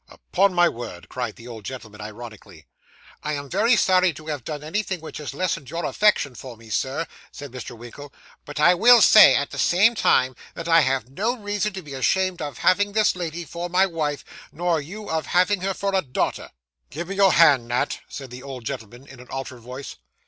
'Upon my word!' cried the old gentleman ironically. 'I am very sorry to have done anything which has lessened your affection for me, Sir,' said Mr. Winkle; 'but I will say, at the same time, that I have no reason to be ashamed of having this lady for my wife, nor you of having her for a daughter.' 'Give me your hand, Nat,' said the old gentleman, in an altered voice.